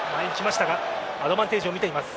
アドバンテージを見ています。